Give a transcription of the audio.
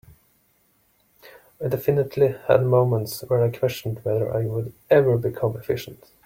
I definitely had moments where I questioned whether I would ever become efficient.